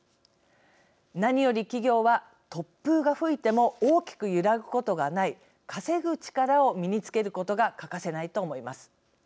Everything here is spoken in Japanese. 何より企業は突風が吹いても大きく揺らぐことがない稼ぐ力を身につけることが欠かせないと思います。